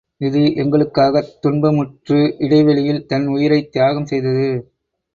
இது எங்களுக்காகத் துன்பமுற்று இடை வழியில் தன் உயிரைத் தியாகம் செய்தது.